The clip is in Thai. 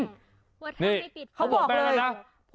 พ่อทำไมไม่ปิดฝาเมาะข้าวจ๊ะโอ้โหนี่เขาบอกแม่นะนะ